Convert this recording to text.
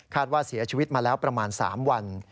ว่าเสียชีวิตมาแล้วประมาณ๓วัน